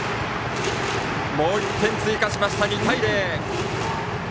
もう１点追加しまして、２対０。